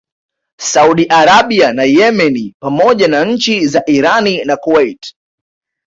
Saudi Arabia na Yemeni pamoja na nchi za Irani na Kuwait